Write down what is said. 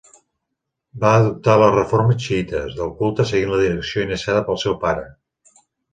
Va adoptar les reformes xiïtes del culte seguint la direcció iniciada pel seu pare.